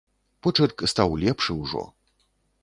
Почырк стаў лепшы ўжо.